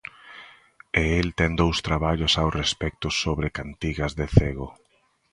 E el ten dous traballos ao respecto sobre cantigas de cego.